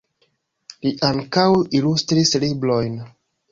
Li ankaŭ ilustris librojn.